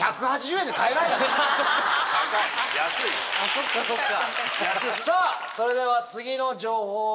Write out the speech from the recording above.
そっかそっか。